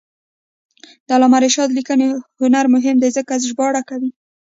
د علامه رشاد لیکنی هنر مهم دی ځکه چې ژباړې کوي.